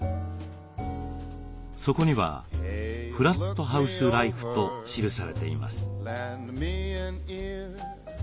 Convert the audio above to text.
そこには「フラットハウスライフ」と記されています。